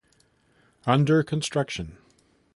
Under construction.